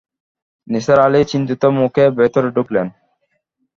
নিসার আলি চিন্তিত মূখে ভেতরে ঢুকলেন।